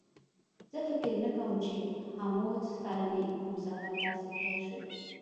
زه فکر نه کوم چې له هولمز سره مې کوم سفر داسې پیل شو